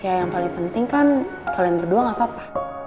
ya yang paling penting kan kalian berdua gak apa apa